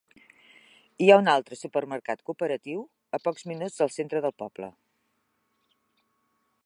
Hi ha un altre supermercat cooperatiu a pocs minuts del centre del poble.